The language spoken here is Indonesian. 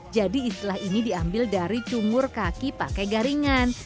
jadi istilah ini diambil dari cungur kaki pakai garingan